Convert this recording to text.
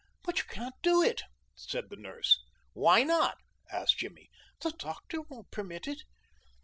"But you can't do it," said the nurse. "Why not?" asked Jimmy. "The doctor won't permit it."